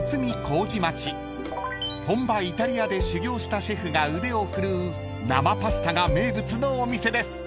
［本場イタリアで修業したシェフが腕を振るう生パスタが名物のお店です］